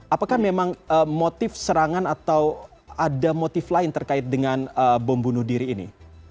apakah memang motif serangan atau ada motif lain terkait dengan bom bunuh diri ini